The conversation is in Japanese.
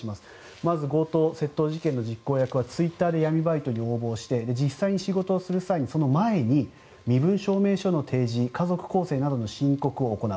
まず強盗・窃盗事件の実行役はツイッターで闇バイトに応募して実際に仕事をする際、その前に身分証明書の提示家族構成などの申告を行う。